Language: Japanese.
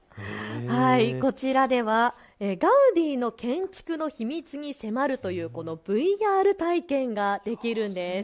こちらではガウディの建築の秘密に迫るというこのＶＲ体験ができるんです。